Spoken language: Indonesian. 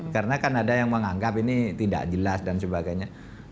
karena kan ada yang menganggap ini tidak jelas dan sebagainya